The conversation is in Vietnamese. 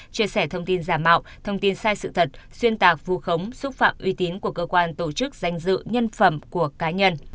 chia sẻ thông tin giả mạo thông tin sai sự thật xuyên tạc vù khống xúc phạm uy tín của cơ quan tổ chức danh dự nhân phẩm của cá nhân